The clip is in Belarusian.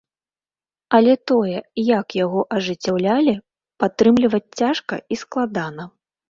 Але тое, як яго ажыццяўлялі, падтрымліваць цяжка і складана.